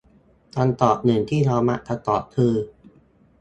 คำตอบหนึ่งที่เรามักจะตอบคือ